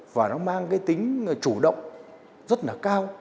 và nó mang cái tính chủ động rất là cao